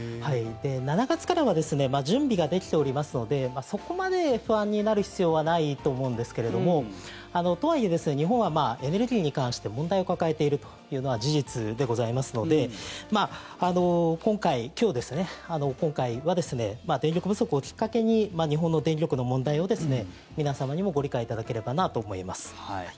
７月からは準備ができておりますのでそこまで不安になる必要はないと思うんですけれどもとはいえ日本はエネルギーに関して問題を抱えているというのは事実でございますので今回は電力不足をきっかけに日本の電力の問題を皆様にもご理解いただければなと思います。